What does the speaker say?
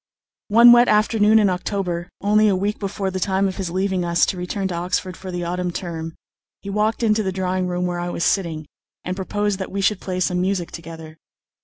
One wet afternoon in October, only a week before the time of his leaving us to return to Oxford for the autumn term, he walked into the drawing room where I was sitting, and proposed that we should play some music together.